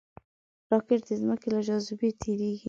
راکټ د ځمکې له جاذبې تېریږي